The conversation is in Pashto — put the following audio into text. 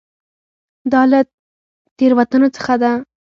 دا له تېروتنو څخه ده.